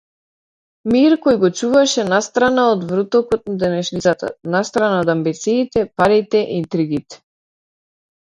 Мир кој го чуваше настрана од врутокот на денешницата, настрана од амбициите, парите, интригите.